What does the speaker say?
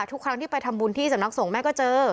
ทุกครั้งที่ไปทำบุญที่สำนักสงฆ์แม่ก็เจอ